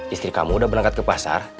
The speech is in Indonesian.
istri kamu udah berangkat ke pasar